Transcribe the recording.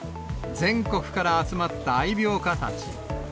全国から集まった愛猫家たち。